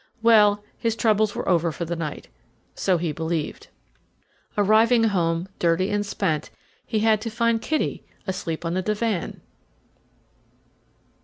Well, his troubles were over for the night. So he believed. Arriving home, dirty and spent, he had to find Kitty asleep on the divan!